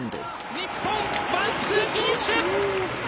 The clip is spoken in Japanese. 日本、ワンツーフィニッシュ！